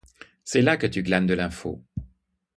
C’est là que tu glanes de l’info.